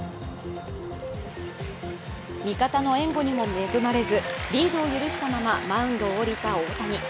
味方の援護にも恵まれず、リードを許したままマウンドを降りた大谷。